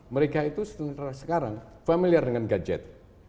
mereka itu sekarang familiar dengan gadget